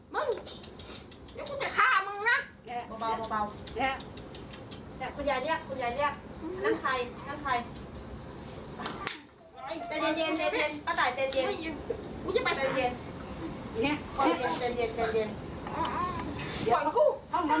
มึงเดี๋ยวกูจะฆ่ามึงนะ